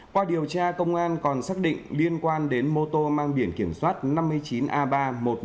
qua điều tra công an còn xác định liên quan đến mô tô mang biển kiểm soát năm mươi chín a ba một mươi một nghìn năm trăm tám mươi tám